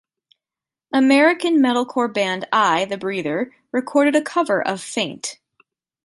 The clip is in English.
American metalcore band I, the Breather recorded a cover of "Faint".